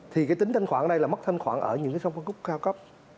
thì cái tính thanh khoản ở đây là mất thanh khoản ở những sân khấu cao cấp